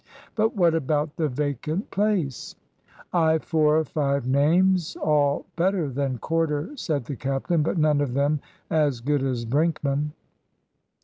"But what about the vacant place?" "I've four or five names all better than Corder," said the captain, "but none of them as good as Brinkman."